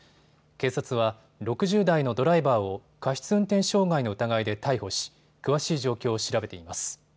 警察は６０代のドライバーを過失運転傷害の疑いで逮捕し詳しい状況を調べています。